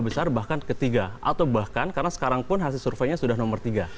besar bahkan ketiga atau bahkan karena sekarang pun hasil surveinya sudah nomor tiga